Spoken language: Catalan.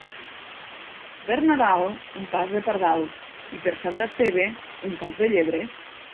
Per Nadal, un pas de pardal, i per Sant Esteve, un pas de llebre.